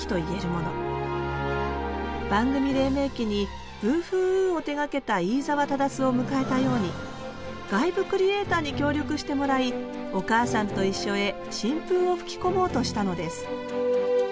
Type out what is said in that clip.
番組黎明期に「ブーフーウー」を手がけた飯沢匡を迎えたように外部クリエイターに協力してもらい「おかあさんといっしょ」へ新風を吹き込もうとしたのです